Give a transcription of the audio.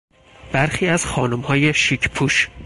برخی از خانمهای شیک پوش